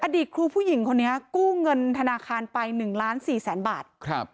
อดีตครูผู้หญิงคนนี้กู้เงินธนาคารไป๑ล้าน๔แสนบาท